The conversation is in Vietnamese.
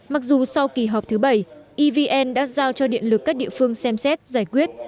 mặc dù sau kỳ họp thứ bảy evn đã giao cho điện lực các địa phương xem xét giải quyết